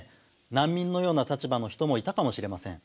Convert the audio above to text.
難民のような立場の人もいたかもしれません。